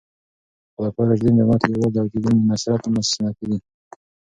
خلفای راشدین د امت د یووالي او د دین د نصرت ستنې دي.